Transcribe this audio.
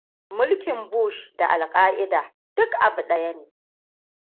Mulkin Bush da Al-Qaída duk abu ɗaya ne?